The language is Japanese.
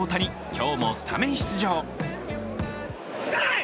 今日もスタメン出場。